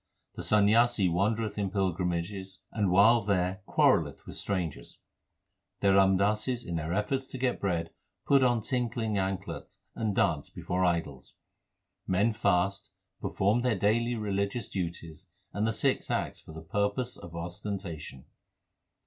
The Sanyasi wandereth in pilgrimages and while there quarrelleth with strangers. 1 The Ramdasis 2 in their efforts to get bread put on tinkling anklets, and dance before idols. Men fast, perform their daily religious duties, and the six acts for the purpose of ostentation.